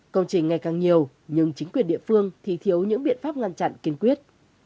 công trình ngày càng nhiều nhưng chính quyền địa phương thì thiếu những biện pháp ngăn chặn kiên quyết